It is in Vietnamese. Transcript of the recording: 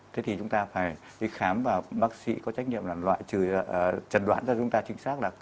thế thì chúng ta phải đi khám và bác sĩ có trách nhiệm là loại trừ trần đoán cho chúng ta chính xác là